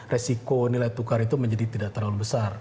resiko nilai tukar itu menjadi tidak terlalu besar